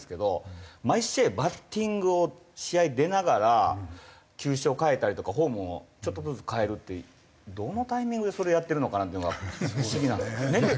毎試合バッティングを試合出ながら球種を変えたりとかフォームをちょっとずつ変えるってどのタイミングでそれやってるのかなっていうのが不思議なんですよ。